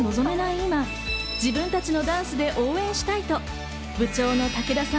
今、自分たちのダンスで応援したいと部長の武田さん